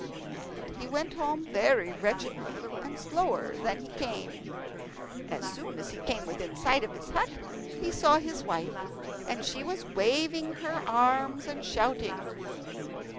And he went home very wretchedly, and slower than he came. As soon as he came within sight of his hut he saw his wife, and she was waving her arms and shouting.